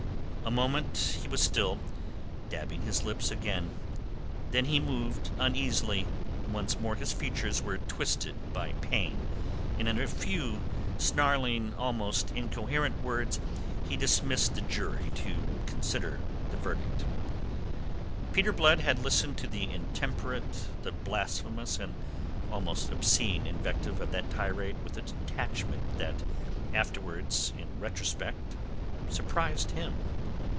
A moment he was still, dabbing his lips again; then he moved uneasily; once more his features were twisted by pain, and in a few snarling, almost incoherent words he dismissed the jury to consider the verdict. Peter Blood had listened to the intemperate, the blasphemous, and almost obscene invective of that tirade with a detachment that afterwards, in retrospect, surprised him.